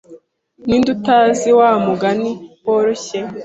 Ninde utazi wa mugani woroshye?